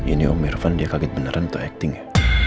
ini om irfan dia kaget beneran untuk acting ya